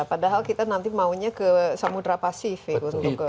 padahal kita nanti maunya ke samudera pasifik